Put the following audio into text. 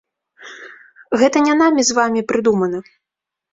Гэта не намі з вамі прыдумана.